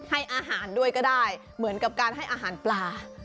ให้อาหารด้วยก็ได้เหมือนกับการให้อาหารปลา